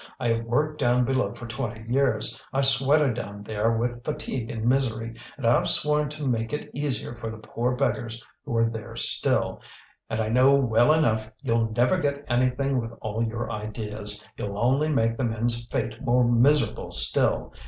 I have worked down below for twenty years, I've sweated down there with fatigue and misery, and I've sworn to make it easier for the poor beggars who are there still; and I know well enough you'll never get anything with all your ideas, you'll only make the men's fate more miserable still.